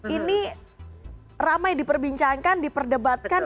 ini ramai diperbincangkan diperdebatkan